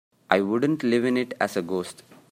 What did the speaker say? I wouldn't live in it as a ghost.